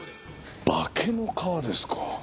化けの皮ですか。